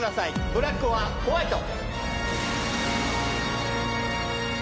ブラックｏｒホワイト？